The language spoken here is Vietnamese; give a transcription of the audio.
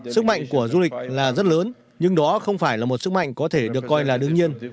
sức mạnh của du lịch là rất lớn nhưng đó không phải là một sức mạnh có thể được coi là đương nhiên